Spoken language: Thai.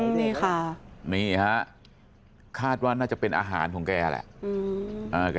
นี่ค่ะนี่ฮะคาดว่าน่าจะเป็นอาหารของแกแหละ